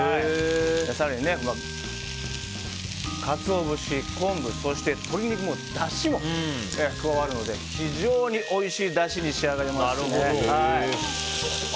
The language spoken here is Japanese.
更にカツオ節、昆布鶏肉のだしも加わりますので非常においしいだしに仕上がります。